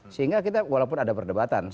sehingga kita walaupun ada perdebatan